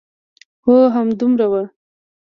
هو، همدومره و.